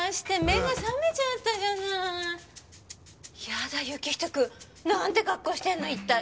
やだ行人君なんて格好してんの一体。